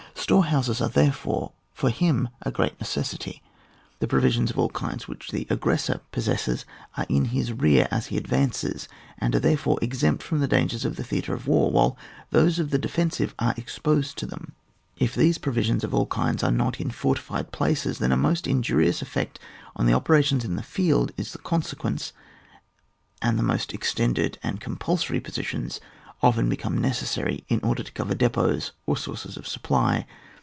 Storehouses are therefore for him a great necessity. The provisions of all kinds which the aggressor possesses are in his rear as he advances, and are therefore ex empt from the dangers of the theatre of war, while those of the defensive are exposed to them. If these provisions of aU kinds are not in fortified places^ then a most injurious effect on the operations in the field is the consequence, and the most extended and compulsory positions often become necessary in order to cover depots or sources of supply.